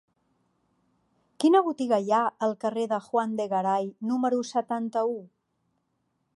Quina botiga hi ha al carrer de Juan de Garay número setanta-u?